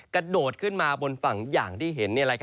กระโดดขึ้นมาบนฝั่งอย่างที่เห็น